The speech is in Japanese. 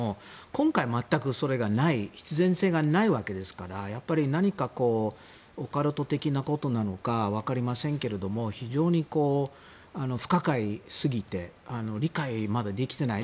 今回、全くそれがない必然性がないわけですから何かオカルト的なことなのかわかりませんけれども非常に不可解すぎて理解、まだできていない。